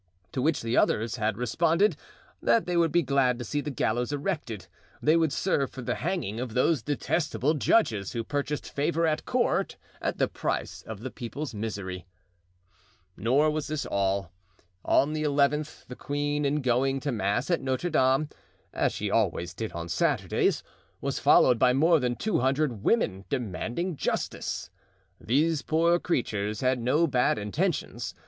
To which the others had responded that they would be glad to see the gallows erected; they would serve for the hanging of those detestable judges who purchased favor at court at the price of the people's misery. Nor was this all. On the eleventh the queen in going to mass at Notre Dame, as she always did on Saturdays, was followed by more than two hundred women demanding justice. These poor creatures had no bad intentions.